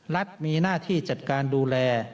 รัฐมีหน้าที่จัดการดูแล